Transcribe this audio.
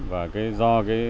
và do cái